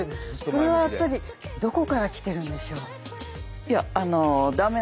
それはやっぱりどこからきてるんでしょう？